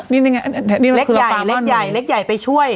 นี่มันคือลำปางบ้านหนึ่งเล็กใหญ่เล็กใหญ่ไปช่วย